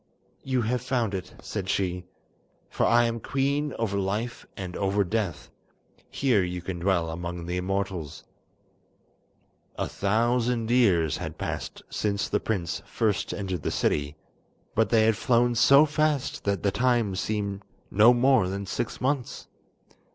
"You have found it," said she, "for I am queen over life and over death. Here you can dwell among the immortals." A thousand years had passed since the prince first entered the city, but they had flown so fast that the time seemed no more than six months.